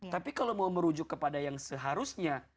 tapi kalau mau merujuk kepada yang seharusnya